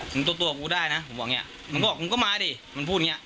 มึงตัวกูได้นะผมบอกอย่างงี้มึงก็มาดิมึงพูดอย่างงี้